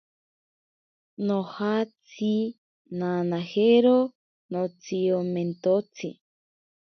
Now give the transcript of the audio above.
Nojatsi nanajero notsiomentotsi.